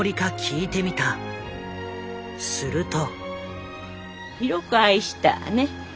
すると。